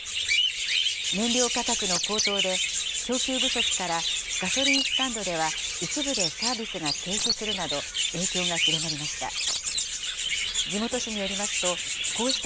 燃料価格の高騰で、供給不足からガソリンスタンドでは一部でサービスが停止するなど、影響が広がりました。